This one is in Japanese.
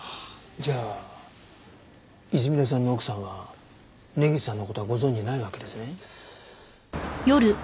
じゃあ泉田さんの奥さんは根岸さんの事はご存じないわけですね？